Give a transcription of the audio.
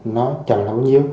nó chậm là bao nhiêu